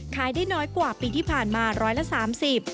ค้ายได้น้อยกว่าปีที่ผ่านมาร้อยละ๓๐